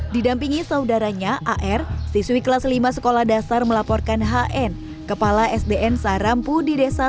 didampingi saudaranya ar siswi kelas lima sekolah dasar melaporkan hn kepala sdn sarampu di desa